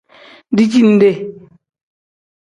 Dijinde.